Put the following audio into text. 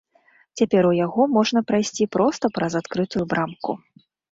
Цяпер у яго можна прайсці проста праз адкрытую брамку.